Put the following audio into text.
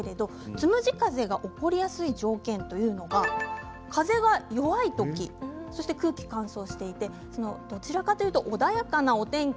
つむじ風が起こりやすい条件というのが風が弱い時、空気が乾燥していてどちらかというと穏やかなお天気。